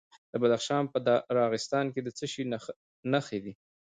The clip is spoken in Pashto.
د بدخشان په راغستان کې د څه شي نښې دي؟